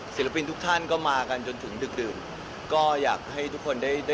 ศิลปินทุกท่านก็มากันจนถึงดึกดื่นก็อยากให้ทุกคนได้ได้